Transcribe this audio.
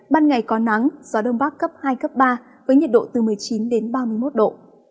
ban ngày có nắng gió đông bắc cấp hai cấp ba với nhiệt độ từ một mươi chín đến ba mươi một độ